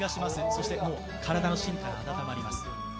そして体の芯から温まります。